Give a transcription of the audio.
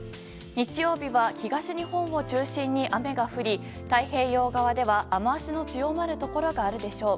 日曜日は東日本を中心に雨が降り太平洋側では雨脚の強まるところがあるでしょう。